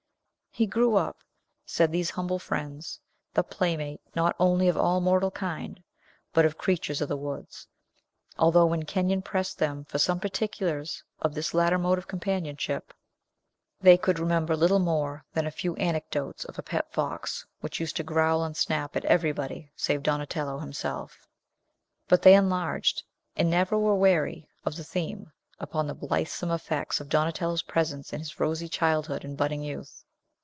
He grew up, said these humble friends, the playmate not only of all mortal kind, but of creatures of the woods; although, when Kenyon pressed them for some particulars of this latter mode of companionship, they could remember little more than a few anecdotes of a pet fox, which used to growl and snap at everybody save Donatello himself. But they enlarged and never were weary of the theme upon the blithesome effects of Donatello's presence in his rosy childhood and budding youth.